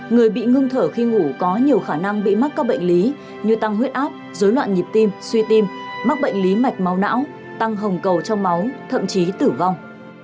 người bị ngưng thở khi ngủ có nhiều khả năng bị mắc các bệnh lý như tăng huyết áp dối loạn nhịp tim suy tim mắc bệnh lý mạch máu não tăng hồng cầu trong máu thậm chí tử vong